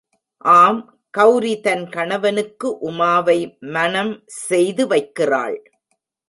ஆம் கெளரி தன் கணவனுக்கு உமாவை மனம் செய்து வைக்கிறாள்.